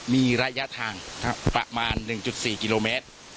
มีระยะทางครับประมาณหนึ่งจุดสี่กิโลเมตร